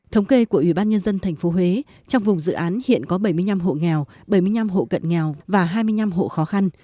thống kê của ủy ban nhân dân tp huế trong vùng dự án hiện có bảy mươi năm hộ nghèo bảy mươi năm hộ cận nghèo và hai mươi năm hộ khó khăn